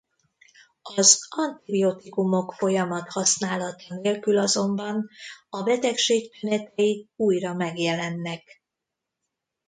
Az antibiotikumok folyamat használata nélkül azonban a betegség tünetei újra megjelennek.